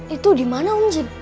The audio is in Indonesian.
itu di mana om jin